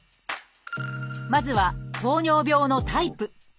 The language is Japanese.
まずは糖尿病のタイプ。